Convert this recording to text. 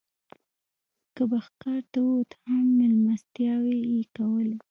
که به ښکار ته ووت هم مېلمستیاوې یې کولې.